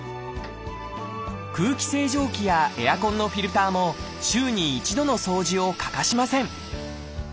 空気清浄機やエアコンのフィルターも週に一度の掃除を欠かしません。